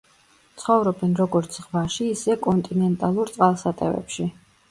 ცხოვრობენ როგორც ზღვაში, ისე კონტინენტალურ წყალსატევებში.